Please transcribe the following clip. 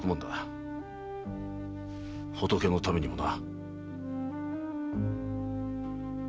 仏のためにもな。